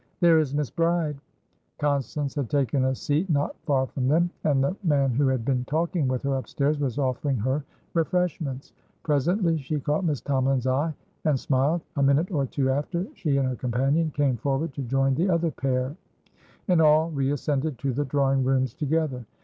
There is Miss Bride!" Constance had taken a seat not far from them, and the man who had been talking with her upstairs was offering her refreshments. Presently, she caught Miss Tomalin's eye, and smiled; a minute or two after, she and her companion came forward to join the other pair, and all re ascended to the drawing rooms together.